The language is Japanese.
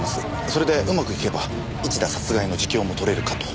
それでうまくいけば市田殺害の自供も取れるかと。